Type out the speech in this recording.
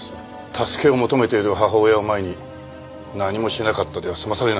助けを求めている母親を前に何もしなかったでは済まされないでしょう。